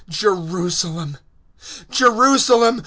(37)Jerusalem! Jerusalem!